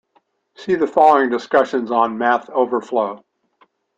See the following discussion on MathOverflow.